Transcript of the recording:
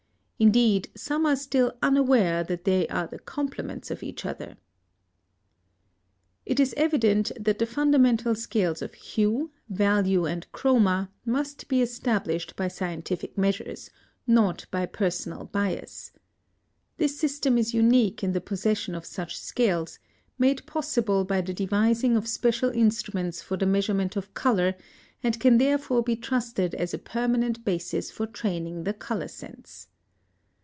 Indeed, some are still unaware that they are the complements of each other. [Footnote 25: See Appendix to Chapter III.] It is evident that the fundamental scales of Hue, Value, and Chroma must be established by scientific measures, not by personal bias. This system is unique in the possession of such scales, made possible by the devising of special instruments for the measurement of color, and can therefore be trusted as a permanent basis for training the color sense.